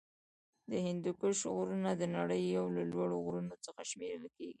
د هندوکش غرونه د نړۍ یو له لوړو غرونو څخه شمېرل کیږی.